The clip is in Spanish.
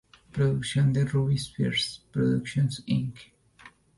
Producción de Ruby-Spears Productions Inc.